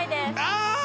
ああ！